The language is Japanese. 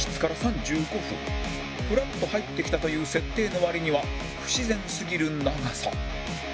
ふらっと入ってきたという設定の割には不自然すぎる長さ